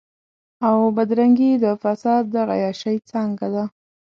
او بدرنګي د فساد د عياشۍ نانځکه ده.